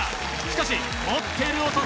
しかし持ってる男